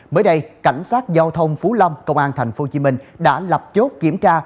mới đây cảnh sát giao thông phú long công an tp hcm đã lập chốt kiểm tra